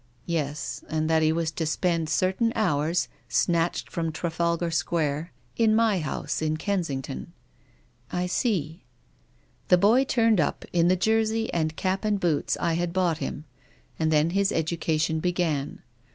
"Yes, and that he was to spend certain hours — snatched from Trafalgar Square — in my house in Kensington." " I see." " The boy turned up in the jersey and cap and boots I had bought him. And then his education began.